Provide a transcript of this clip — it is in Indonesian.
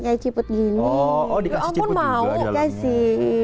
kayak ciput gini oh dikasih ciput juga dalamnya ya ampun mau kasih